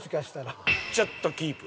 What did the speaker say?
ちょっとキープ。